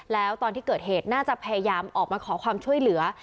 แล้วตอนที่เกิดเหตุน่าจะพยายามออกมาขอความช่วยเหลือ